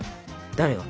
誰が？